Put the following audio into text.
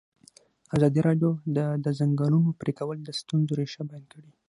ازادي راډیو د د ځنګلونو پرېکول د ستونزو رېښه بیان کړې.